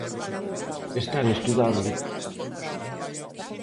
'Están estudando'.